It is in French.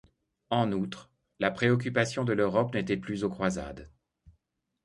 En outre, la préoccupation de l'Europe n'était plus aux croisades.